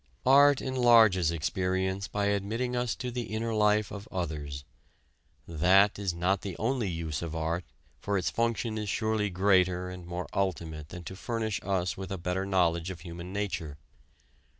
Art enlarges experience by admitting us to the inner life of others. That is not the only use of art, for its function is surely greater and more ultimate than to furnish us with a better knowledge of human nature.